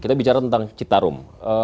kita bicara tentang citarum